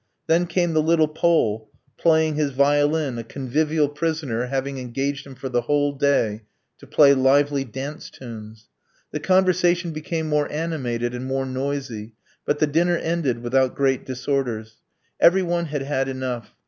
Then came the little Pole, playing his violin, a convivial prisoner having engaged him for the whole day to play lively dance tunes. The conversation became more animated and more noisy, but the dinner ended without great disorders. Every one had had enough.